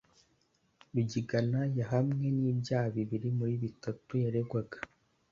Rugigana yahamwe n’ibyaha bibiri muri bitatu yaregwaga